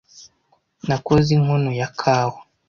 Nakoze inkono ya kawa.